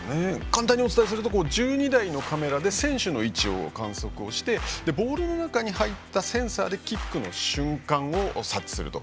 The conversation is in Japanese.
簡単にお伝えすると１２台のカメラで選手の位置を観測してボールの中に入ったセンサーでキックの瞬間を察知すると。